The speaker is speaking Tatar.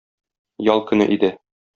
Ял көне иде.